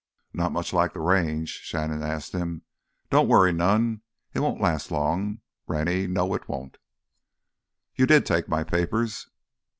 "Not much like th' Range?" Shannon asked him. "Don't worry none—it won't last long, Rennie, no, it won't!" "You did take my papers."